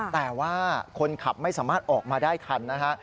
แต่ว่าคนขับไม่สามารถออกมาได้ทันนะฮะ